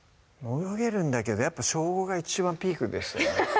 泳げるんだけどやっぱ小５が一番ピークでしたね